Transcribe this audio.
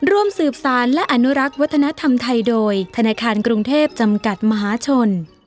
ร่วมสืบสารและอนุรักษ์วัฒนธรรมไทยโดยธนาคารกรุงเทพจำกัดมหาชน